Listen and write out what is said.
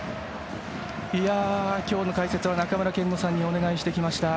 今日の解説は中村憲剛さんにお願いしてきました。